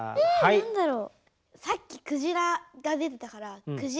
何だろう？